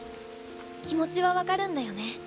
気持ちは分かるんだよね。